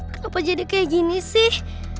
kenapa jadi kayak gini sih